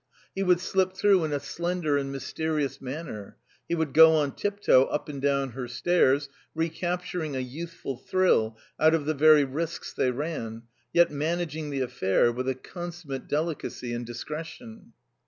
He would slip through in a slender and mysterious manner; he would go on tip toe up and down her stairs, recapturing a youthful thrill out of the very risks they ran, yet managing the affair with a consummate delicacy and discretion.